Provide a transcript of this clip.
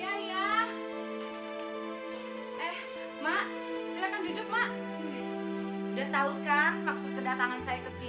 udah tahu kan maksud kedatangan saya ke sini